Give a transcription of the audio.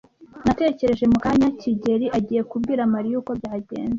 Natekereje mu kanya kigeli agiye kubwira Mariya uko byagenze.